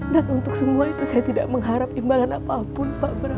dan untuk semua itu saya tidak mengharap imbangan apapun pak abram